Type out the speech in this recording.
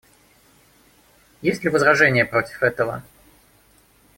Есть ли возражения против этого?